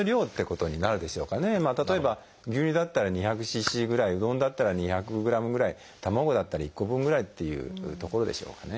例えば牛乳だったら２００ｃｃぐらいうどんだったら２００ｇぐらい卵だったら１個分ぐらいというところでしょうかね。